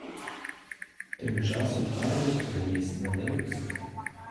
Тим часом парубок приніс наливки.